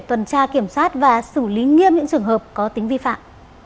tuần tra kiểm soát và xử lý nghiêm những trường hợp có tính vi phạm